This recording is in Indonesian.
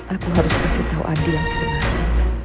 aku harus kasih tahu andi yang sebenarnya